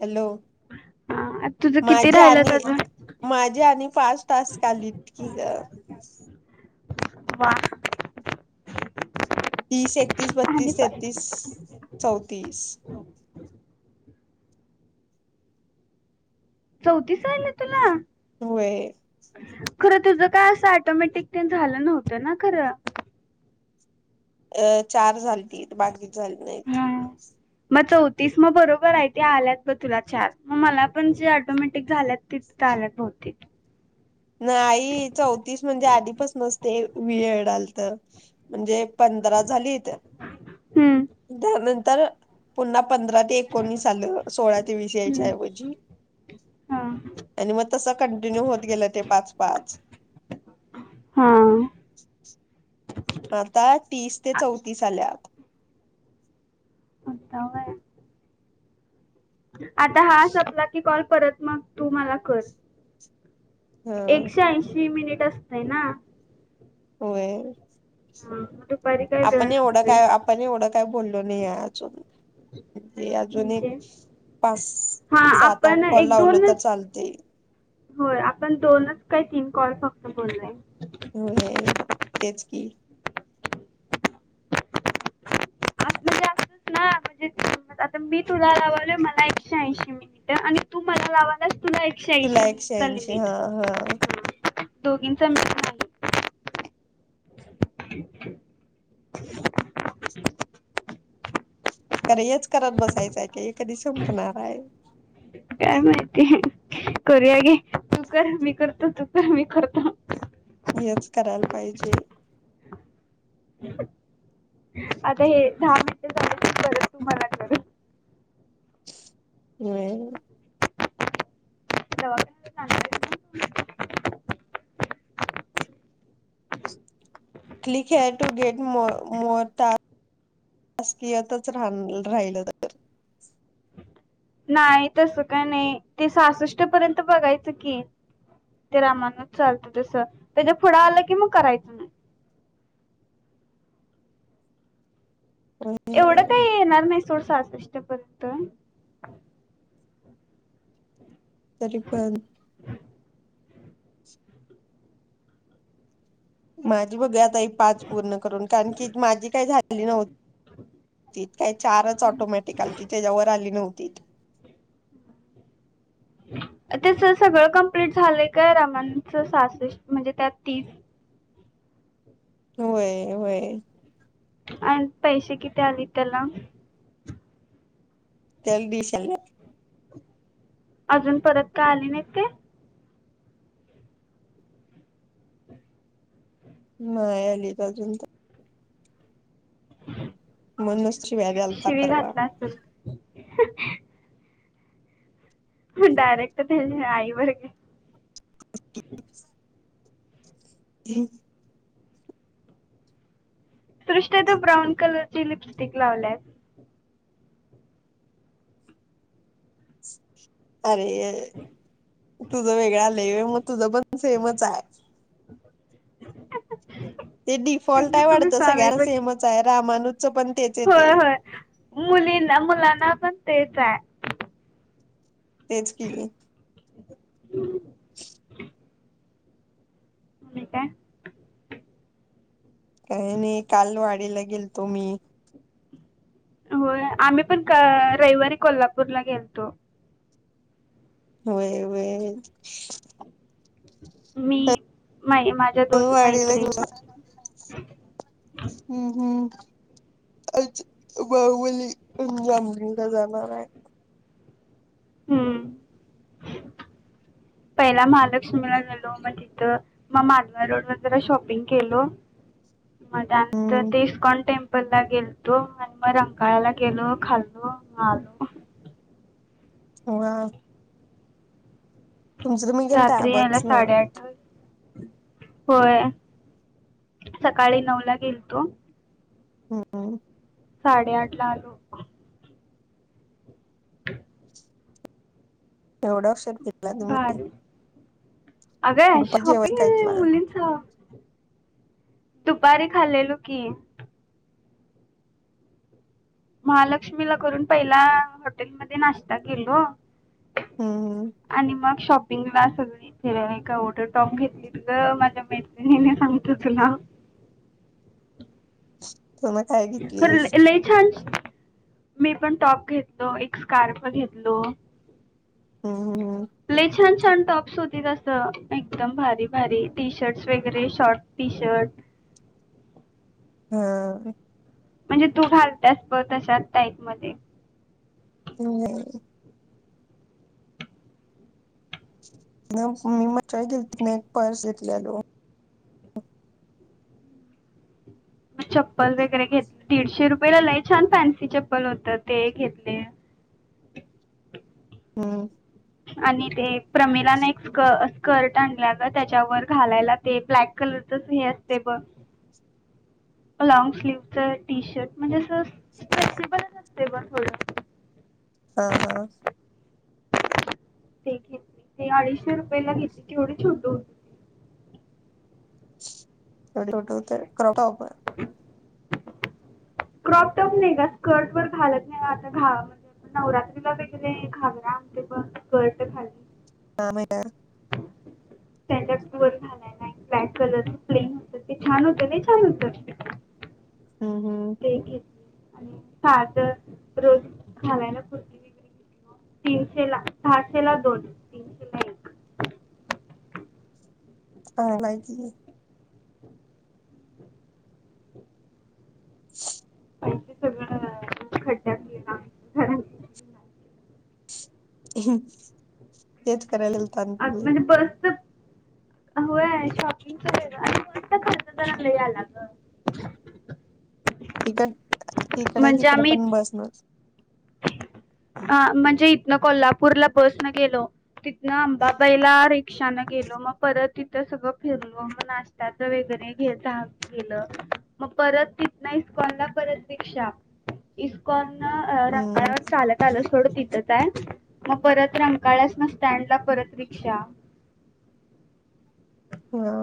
Hello. हा तुझं किती माझी राहिलंत आणि, अजून माझी आणि पाच टास्क आलीत की ग. [inaudible] वा! तीस, एकतीस, आणि बत्तीस, पाहिजे तेहतीस, चौतीस. चौथीस आयले तुला? होय. खरं तुझं काय असं ऑटोमॅटिक ते झालं नव्हतं ना खरं. अ चार झाल त बाकीच झाली नाहीत. हम्म मग चौतीस मग बरोबर आहे ते आल्यात ब तुला चार मग मला पण जे ऑटोमॅटिक झाल्यात ते आल्यात बहुतेक. नाही चौतीस म्हणजे आधीपासनच ते [unintelligible] आलत म्हणजे पंधरा झालीत, हम्म त्यानंतर पुन्हा पंधरा ते एकोणीस आलं सोळा ते वीस यायच्या हम्म ऐवजी. हा आणि म तस कंटिन्यू होत गेलं ते पाच पाच. हा. आता तीस ते चौतीस आल्यात. आता होय. आता हा संपला की कॉल परत मग तू मला कर. ह एकशे ऐंशी मिनिट असतय ना. होय. हा [unintelligible] आपण एवढं काय आपण एवढं काय बोललो नयाय अजून. ते अजून एक म्हणजे पाच हा सात आपण आठ कॉल एक लावल तर दोनच चालतंय. होय आपण दोनच काय तीन कॉल फक्त बोलोय. होय तेच की आज म्हणजे असंच ना [inaudible] म्हणजे समज आता मी तुला लावलोय मला एकशे ऐंशी मिनिट आणि तू मला लावायलास. तुला एकशे तुला ऐंशी एकशे ऐंशी मिनिट हा हा [unintelligible] दोघींचा मिळून [unintelligible] [inaudible] तर हेच करत बसायचंय की कधी संपणार हाय. काय माहिती, करूया घे. तू कर मी करतो. तू कर मी करतो. हेच करायला पाहिजे. आता हे दहा मिनटं झाले. तू कर तू मला कर. होय. दवाखान्यात जाणार आहेस ना तू? Click here to get more task. अस्तियातच रा राहिलं तर. नाही तसं काय नाही ते सासष्ट पर्यंत बघायचं की. ते रामानच चालत तस. त्याच्या पुढं आलं कि मग करायचं नाही. अ [unintelligible] मी काय येणार नाही सोड, सहासष्ट पर्यंत. तरी पण. माझी बघ आता एक पाच पूर्ण करून कारण की माझी काही झाली नव्हती. काही चारच ऑटोमॅटिक आलीती. त्याच्यावर आली नव्हती. [inaudible] त्याच सगळं कंप्लीट झालंय काय? रामाच सासष्ट म्हणजे त्यात तीस. होय होय. आणि पैसे किती आलेत त्याला. तेवीशे. अजून परत काय आली नाहीत काय? न्हाय अली अजून तर. तर म्हणूनच शिव्या द्यालता शिवी परवा घातला असल. डायरेक्ट त्याच्या आई वर गेलं. हम [unintelligible] सृष्टे तू ब्राऊन कलरची लिपस्टिक लावल्यास. अरे तुझ वेगळं आलंय व्हय, मग तुझं पण सेमच हाय. ते डिफॉल्ट आहे किती वाटतं. दिसायलंय सगळ्यांना बघ की सेमच आहे रामानुच पण तेच होय येतंय. होय मुलींना मुलांना पण तेचे. तेच कि. होय काय? काही नाही काल वाडीला गेलतो मी. होय आम्ही पण रविवारी कोल्हापूरला गेलतो. होय होय. मी. माई माझ्या हो दोन वाडीला गेलतो. मैत्रिणी हम्म हम्म. आज बाहुबली रामलिंगला जाणारे. हम्म पहिला महालक्ष्मीला गेलो, मग तिथं, मग माधवा रोड वर जरा शॉपिंग केल, मग त्यानंतर ते हम्म इस्कॉन टेम्पल ला गेलतो आणि मग रंकाळाला गेलो, खाल्लो म आलो. हो या. रात्री यायला बसन साडेआठ वाजले. होय सकाळी नऊ ला गेलतो. हम्म. साडेआठ ला आलो. ह [inaudible] एवढ उशीर. भाडू अगं दुपारी जेवाय शॉपिंग काय केला मुलींच दुपारी खालेलो की. महालक्ष्मीला करून, पहिला हॉटेलमध्ये नाश्ता केलो. हम्म आणि मग, शॉपिंग ला सगळी इथे टर टॉप घेतली त ग माझ्या मैत्रिणीने सांगतो तुला रीकाम आहे खरं लय छान मी पण टॉप घेतलो एक स्कार्फ घेतलो हम्म हम्म ले छान छान टॉप्स होती तसं एकदम भारी भारी टी शर्टस वगैरे शॉर्ट टी शर्ट हा. म्हणजे तू घालतास प तशात टाईफ मध्ये होय. ना मी मग ट्रय केली त ना एक पर्स घेतलेलो मग चप्पल वगैरे घेतले दीडशे रुपयेला लाई छान फॅन्सी चप्पल होतं ते घेतले रीकाम आहे हम्म. आणि ते प्रमिलाने एक स्क स्कर्ट आणलंलं त्याच्यावर घालायला ते ब्लॅक कलरच असते बघ रीकाम आहे लॉग स्लीवच टी शर्ट म्हणजे असं फेकजेबल असतं थोडा हा हा. ते घेतली ते अडीचशे रुपयेला घेतली तेवढी छोट होती. ट तर क्रॉपर क्रॉप टप नाही का स्कर्ट वर घालत नाही आता घावा म्हणजे नवरात्रीला वेगळे घागरा आते पण स्कर्ट खाली हमट [unintelligible] त्यांच्या पर घालाय नाही ब्लॅक कलर प्लेन होत ते छान होत छान होत हम्म हम्म ते एक आणि सात रोज घालाय ना कुर्ती वगैर तीनशे ला सहाशे ला दोन तीनशे ला रीकाम आहे हा नाहीय आहे. रीकाम आहे प सगळं खड्डयात गेल घर हम्म. आ म्हणजे बसच होय शॉपिंग वेगळा आणि बसचा खर्च लय आला ग रीकाम आहे इकडे म्हणजे तिकडं आम्ही पण बसच रीकाम आहे ह म्हणजे इथनं कोल्हापूरला बस न गेलो तिथनं अंबाबाईला रिक्षा न गेलो मग परत तिथं सगळं फिरलो नाष्टयाचे वैगरेे गेल मग परत तिथंन परत इस्कॉन रिक्षा इस्कॉन हम्म रिकाळावर चालत त्याला सोड तिथं काय मग परत रिकाळयास न स्टँडला परत रिक्षा हा.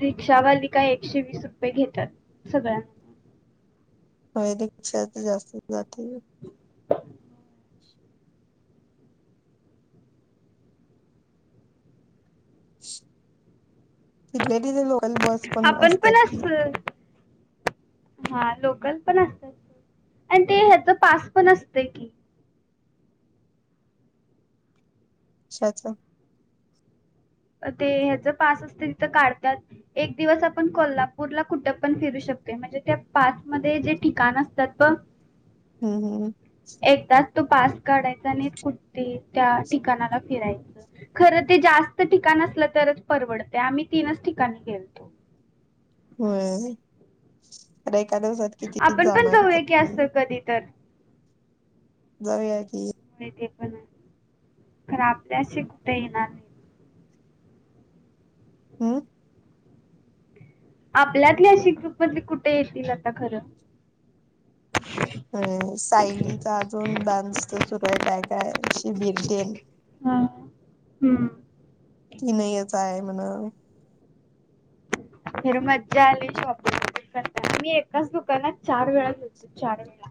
रिक्षावाली का एकशे वीस रुपये घेतात सगळ्यांना रिक्षात जास्त जातील- तिथं देखील तिथं लोकल बस पण आपण असतात कि. असत हा लोकल पण असतात आणि ते ह्याच पास पण असतं की कशाचं? ते ह्याच पास असतील तर काढतात. एक दिवस आपण कोल्हापूरला कुठं पण फिरू शकतो. म्हणजे त्या पास मध्ये जे ठिकाण असतात प हम्म हम्म हम्म एकदाच तो पास काढायचा आणि कुठ त्या ठिकाणाला फिरायच. खर ते जास्त ठिकाण तरच परवडत. आम्ही तीनच ठिकाणी गेलतो. हम्म त्या दिवसात किती आपण पण जाणार तर जाऊया की तुम्ही? असं कधी तर जाऊया की. नाही ते पण आहे. खरं आपल्याशी कुठे येणार नाही. हम्म आपल्यातली अशी ग्रुप मध्ये कुठे येतील आता खरं. सायलीचा अजून डान्सच सुरू आहे काय काय शिबिर तेन. हा हम्म की नाही यायच आहे म्हण. फिर मज्जा आली शॉपिंग मी एकाच दुकानात चार वेळा गेलतो. चार वेळा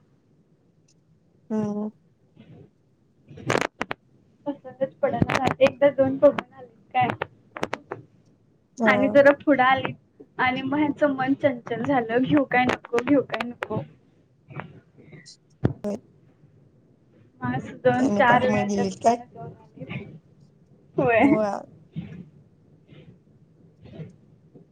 हम्म पसंतच पडणा झाले. एकदा दोन पोशाख घालू काय? आणि ह जरा पुढं आली आणि मग ह्याचं मन चंचल झालं. घेऊ काय नको. घेऊ काय नको. [inaudible] असं दोन त्यानी चार पाठीमागे वेळाला त्या गेलीत दुकानात जाऊन आली. होय [inaudible]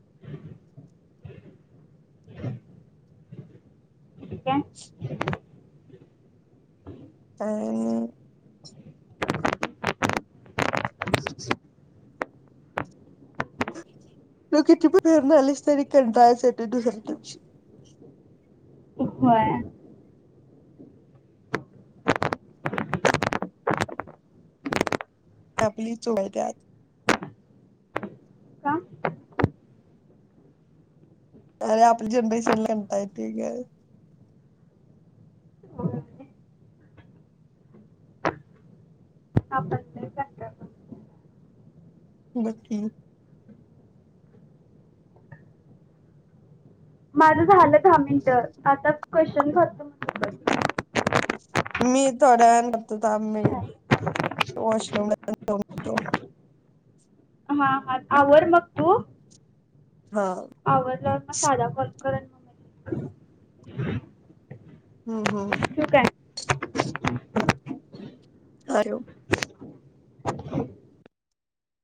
[inaudible] [unintelligible] [unintelligible] [inaudible] तू किती पण फिरून आलीस तरी कंटाळाच येतो दुसऱ्या दिवशी. होय. आपलीच वय त्यात. का अरे आपल्या जनरेशनला म्हणता ते ग. आपण लय कंटाळवाणी. बघ की. माझ झालं दहा मिनिट आता क्वेश्चन खतम मी थोड्या वेळाने करतो थांब मी. बस. वॉशरूम जाऊन येतो. हा हा आवर मग तू. हा आवरल्यावर म साधा कॉल कर. आणि मग हम्म हम्म ठेवू काय हॅलो.